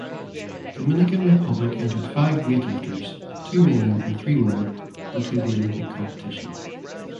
Dominican Republic entered five weightlifters (two men and three women) into the Olympic competition.